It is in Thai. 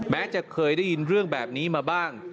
แม้จะเคยได้ยินเรื่องแบบนี้มาบ้าง